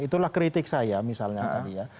itulah kritik saya misalnya tadi ya